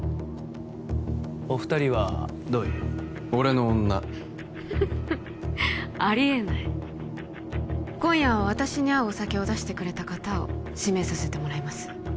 お二人はどういう俺の女フフフありえない今夜は私に合うお酒を出してくれた方を指名させてもらいます